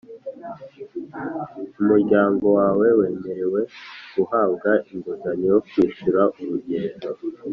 Umuryango wawe wemerewe guhabwa inguzanyo yo kwishyura urugendo